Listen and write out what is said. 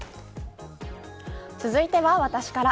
続いては私から。